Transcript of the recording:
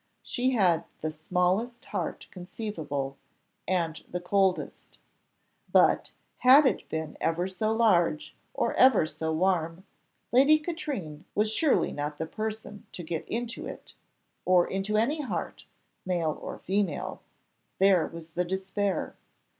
She had the smallest heart conceivable, and the coldest; but had it been ever so large, or ever so warm, Lady Katrine was surely not the person to get into it, or into any heart, male or female: there was the despair.